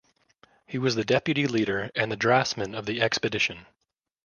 He was the deputy leader and draftsman of the expedition.